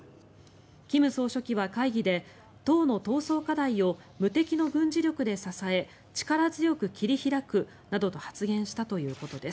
金総書記は会議で党の闘争課題を無敵の軍事力で支え力強く切り開くなどと発言したということです。